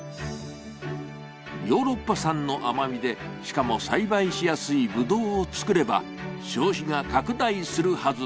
ヨーロッパ産の甘味で、しかも栽培しやすいぶどうを作れば、消費が拡大するはず。